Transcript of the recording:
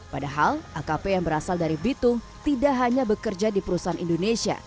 padahal akp yang berasal dari bitung tidak hanya bekerja di perusahaan indonesia